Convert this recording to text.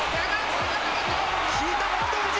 引いた、北勝富士。